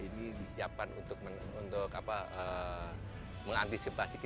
dan juga ada di post